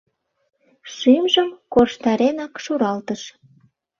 Шӱмжым корштаренак шуралтыш.